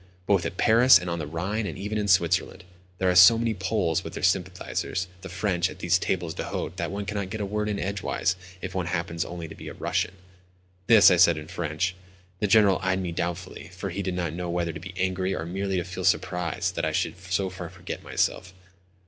Both at Paris and on the Rhine, and even in Switzerland—there are so many Poles, with their sympathisers, the French, at these tables d'hôte that one cannot get a word in edgeways if one happens only to be a Russian." This I said in French. The General eyed me doubtfully, for he did not know whether to be angry or merely to feel surprised that I should so far forget myself.